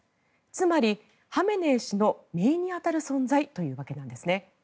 つまり、ハメネイ師のめいに当たる存在というわけなんですね。